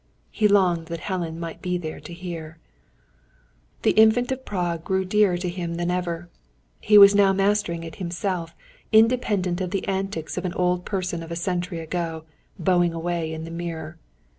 He longed that Helen might be there to hear. The Infant of Prague grew dearer to him than ever. He was now mastering it himself, independent of the antics of an old person of a century ago, bowing away in the mirror.